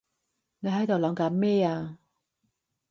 你喺度諗緊咩啊？